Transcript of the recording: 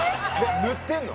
塗ってるの？